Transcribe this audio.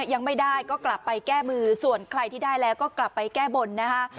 ยังไม่ได้ก็กลับไปแก้มือส่วนใครที่ได้แล้วก็กลับไปแก้บนนะคะ